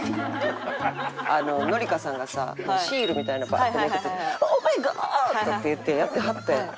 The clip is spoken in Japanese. あの紀香さんがさシールみたいなのをバッとめくってて「ＯｈＭｙＧｏｄ！」って言ってやってはって。